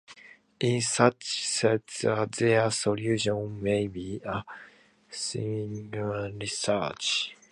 In such cases, their solution may be a significant contribution to mathematical research.